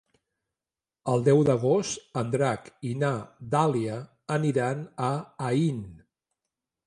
El deu d'agost en Drac i na Dàlia aniran a Aín.